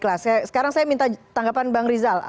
oke baiklah sekarang saya minta tanggapan bang rizal